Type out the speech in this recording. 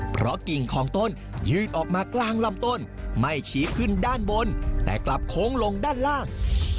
เพราะกิ่งของต้นยืดออกมากลางลำต้นไม่ชี้ขึ้นด้านบนแต่กลับโค้งลงด้านล่าง